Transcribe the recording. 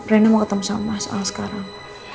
reina mau ketemu mas al sekarang